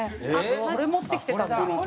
それ持ってきてたんだ。